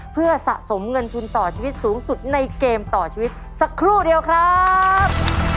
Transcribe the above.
เพื่อสะสมเงินทุนต่อชีวิตสูงสุดในเกมต่อชีวิตสักครู่เดียวครับ